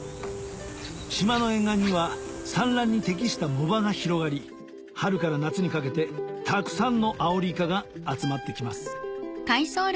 島の沿岸には産卵に適した藻場が広がり春から夏にかけてたくさんのアオリイカが集まってきます